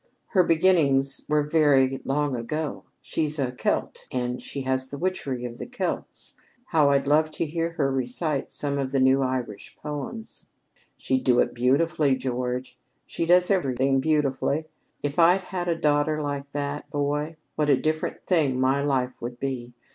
"Her beginnings were very long ago. She's a Celt, and she has the witchery of the Celts. How I'd love to hear her recite some of the new Irish poems!" "She'd do it beautifully, George. She does everything beautifully. If I'd had a daughter like that, boy, what a different thing my life would be!